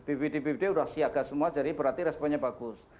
bpd bpd sudah siaga semua jadi berarti responnya bagus